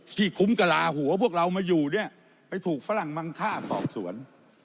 ที่คุ้มกระลาหัวพวกเรามาอยู่เนี่ยไปถูกฝรั่งมังค่าสอบสวน